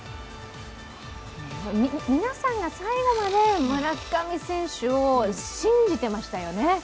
皆さんが最後まで村上選手を信じていましたよね。